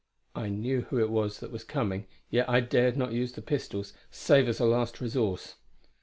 I knew who it was that was coming; yet I dared not use the pistols, save as a last resource.